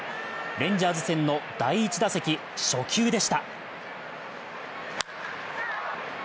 レンジャーズ戦の第１打席初球でした。